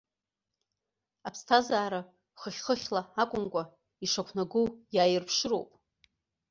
Аԥсҭазаара, хыхь-хыхьла акәымкәа, ишақәнагоу иааирԥшыроуп.